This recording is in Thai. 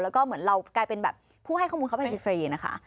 แล้วก็เหมือนเรากลายเป็นแบบผู้ให้ข้อมูลเข้าไปฟรีนะคะ